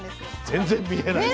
全然見えない。